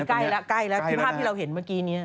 ใกล้แล้วใกล้แล้วที่ภาพที่เราเห็นเมื่อกี้นี้